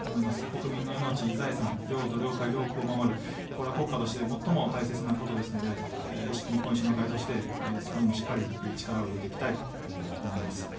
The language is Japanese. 国民の命、財産、領土、領海、領空を守る、これは国家として最も大切なことですので、日本維新の会としてそこにもしっかり力を入れていきたいと思います。